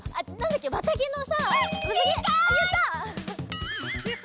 やった！